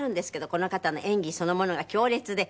この方の演技そのものが強烈で。